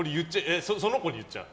その子に言っちゃう。